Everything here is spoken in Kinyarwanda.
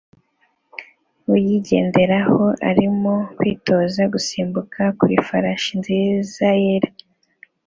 Uyigenderaho arimo kwitoza gusimbuka ku ifarashi nziza yera